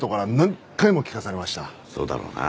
そうだろうな。